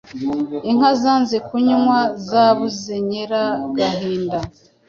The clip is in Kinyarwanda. Inka zanze kunywa zabuze Nyiragahinda,